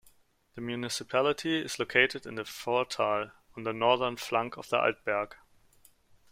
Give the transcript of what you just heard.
The municipality is located in the "Furttal" on the northern flank of the Altberg.